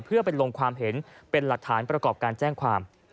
เพื่อไปลงความเห็นเป็นหลักฐานประกอบการแจ้งความ